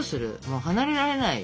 もう離れられない。